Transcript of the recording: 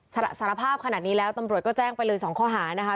สารภาพขนาดนี้แล้วตำรวจก็แจ้งไปเลย๒ข้อหานะคะ